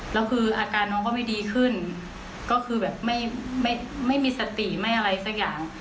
แล้วคืออาการน้องก็ไม่ดีขึ้นก็คือแบบไม่มีสติไม่อะไรสักอย่าง